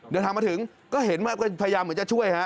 เดินทางมาถึงก็เห็นว่าก็พยายามเหมือนจะช่วยฮะ